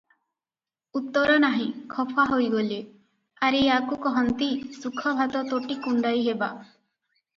ଉତ୍ତର ନାହିଁ, ଖପା ହୋଇ କହିଲା, "ଆରେ ୟାକୁ କହନ୍ତି, ସୁଖ ଭାତ ତୋଟି କୁଣ୍ତାଇ ହେବା ।"